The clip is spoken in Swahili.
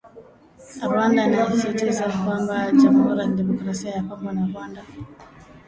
Rwanda inasisitizwa kwamba Jamhuri ya kidemokrasia ya Kongo na Rwanda